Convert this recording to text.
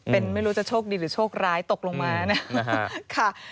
เป็นไม่รู้จะโชคดีหรือโชคร้ายตกลงมานะคะ